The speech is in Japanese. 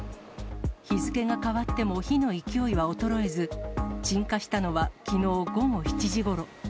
日付が変わっても火の勢いは衰えず、鎮火したのはきのう午後７時ごろ。